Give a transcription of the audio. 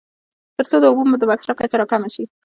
تر څو د اوبو د مصرف کچه راکمه شي.